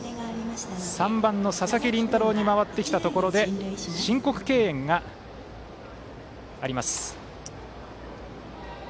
３番、佐々木麟太郎に回ってきたところで申告敬遠があります。